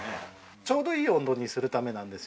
ちょうどいい温度にするためなんですよ。